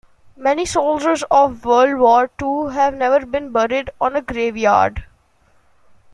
Many soldiers of world war two have never been buried on a grave yard.